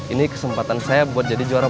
ini kesempatan saya buat jadi juara